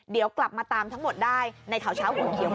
เดี๋ยวกลับมาตามทั้งหมดได้ในข่าวเช้าหัวเขียว